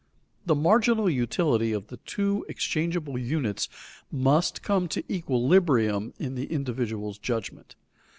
The marginal utility of the two exchangeable units must come to equilibrium in the individual's judgment.